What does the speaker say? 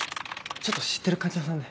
ちょっと知ってる患者さんで。